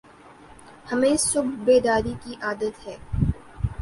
ہمیں صبح بیداری کی عادت ہے ۔